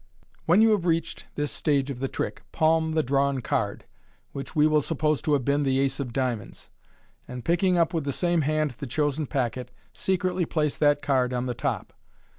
When you have reached this stage of the trick, palm the drawn card, which we will suppose to have been the ace of diamonds, and picking up with the same hand the chosen packet, secretly place that card on the top.